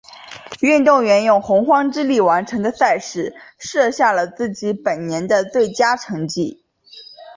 运动员用洪荒之力完成赛事，设下了自己本年的最佳成绩。